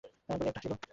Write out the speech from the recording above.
বলিয়া একটু হাসিল।